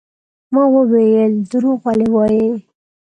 ما وويل دروغ ولې وايې.